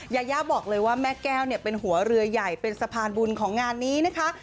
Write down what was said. ยาย่าบอกเลยว่าแม่แก้วเนี่ยเป็นหัวเรือใหญ่เป็นสะพานบุญของงานนี้นะคะ